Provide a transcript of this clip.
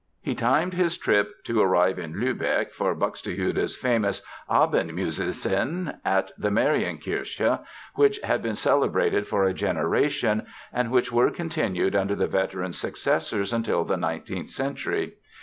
He timed his trip to arrive in Lübeck for Buxtehude's famous Abendmusicen, at the Marienkirche, which had been celebrated for a generation and which were continued under the veteran's successors until the nineteenth century.